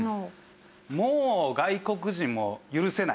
もう外国人も許せない。